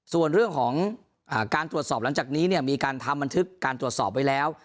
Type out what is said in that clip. ส่วนเรื่องของการตรวจสอบหลังจากนี้มีการทำบันทึกการตรวจสอบไว้แล้ว